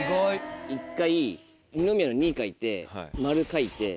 １回二宮の「二」書いて丸書いて。